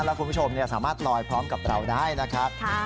แล้วคุณผู้ชมสามารถลอยพร้อมกับเราได้นะครับ